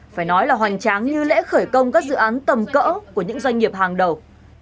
phải nói là hoành tráng như lễ khởi công các dự án tầm cỡ của những doanh nghiệp hàng đầu